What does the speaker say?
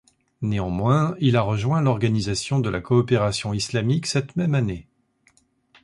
Néanmoins, il a rejoint l'Organisation de la coopération islamique cette même année.